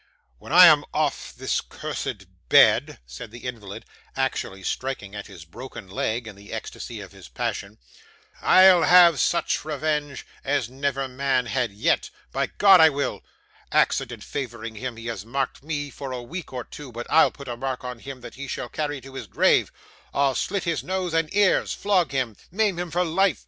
'When I am off this cursed bed,' said the invalid, actually striking at his broken leg in the ecstasy of his passion, 'I'll have such revenge as never man had yet. By God, I will. Accident favouring him, he has marked me for a week or two, but I'll put a mark on him that he shall carry to his grave. I'll slit his nose and ears, flog him, maim him for life.